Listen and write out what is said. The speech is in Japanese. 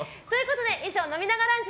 以上、飲みながランチ！